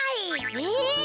え？